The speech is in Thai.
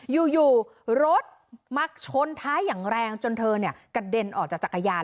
อยู่รถมักชนท้ายอย่างแรงจนเธอกระเด็นออกจากจักรยาน